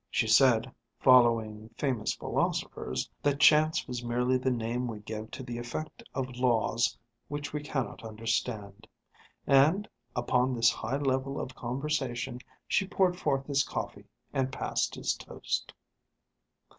She said, following famous philosophers, that Chance was merely the name we give to the effect of laws which we cannot understand. And, upon this high level of conversation, she poured forth his coffee and passed his toast.